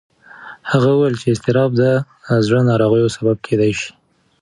هغه وویل چې اضطراب د زړه ناروغیو سبب کېدی شي.